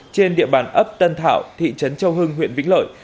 trên địa bàn ấp tân thảo thị trấn châu hưng huyện vĩnh lợi